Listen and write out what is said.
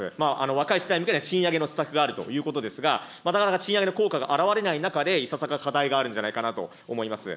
若い世代に向けて、賃上げの施策があるということですが、なかなか賃上げの効果が表れない中でいささか課題があるんじゃないかなと思います。